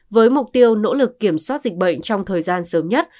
với mục tiêu nỗ lực kiểm soát dịch bệnh trong thời gian sớm nhất